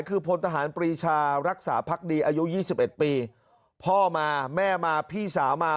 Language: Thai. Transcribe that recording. คือพลตหารปรีชารักษาพักดีอายุยี่สิบเอ็ดปีพ่อมาแม่มาพี่สามา